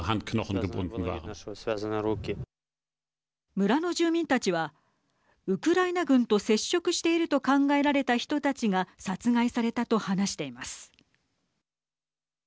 村の住民たちはウクライナ軍と接触していると考えられた人たちが殺害されたと話しています。